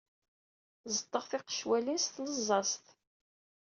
Ẓeṭṭeɣ tiqecwalin s tleẓẓaẓt.